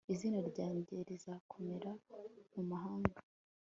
izina ryanjye rizakomera mu mahanga